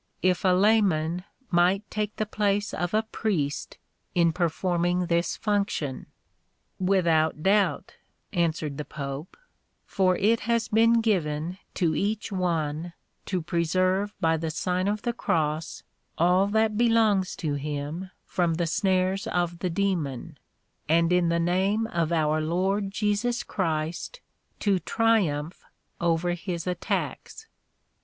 if a layman might take the place of a priest in performing this function. "Without doubt," answered the pope, "for it has been given to each one to preserve by the Sign of the Cross all that belongs to him from the snares of the demon, and in the name of our Lord Jesus Christ, to triumph over his attacks.